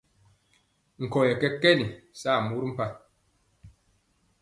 Nkɔyɛ kɛkɛn saa mori mpa.